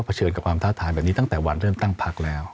เชิญกับความท้าทายแบบนี้ตั้งแต่วันเริ่มตั้งพักแล้ว